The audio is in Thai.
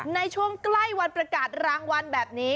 ในช่วงใกล้วันประกาศรางวัลแบบนี้